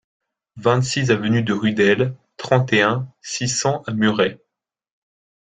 vingt-six avenue de Rudelle, trente et un, six cents à Muret